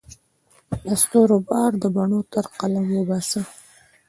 د ستورو بار به د بڼو تر قلم وباسمه